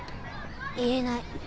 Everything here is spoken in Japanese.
言えない。